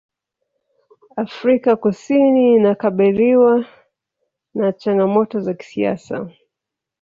afrika kusini inakabiliwa na changamoto za kisiasa